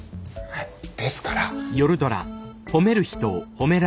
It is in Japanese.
ですから。